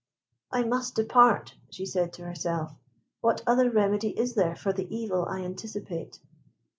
"I must depart," she said to herself. "What other remedy is there for the evil I anticipate?"